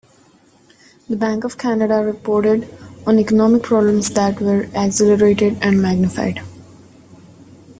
The Bank of Canada reported on economic problems that were accelerated and magnified.